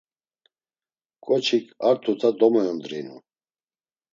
Ǩoçik ar tuta domoyondrinu.